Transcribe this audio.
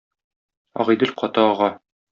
Агыйдел каты ага